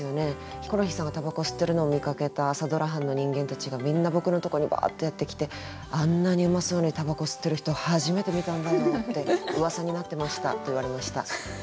ヒコロヒーさんがたばこ吸ってるのを見かけた朝ドラ班の人間たちがみんな僕のとこにバーッとやって来てあんなにうまそうにたばこ吸ってる人初めて見たんだよってうわさになってました」と言われました。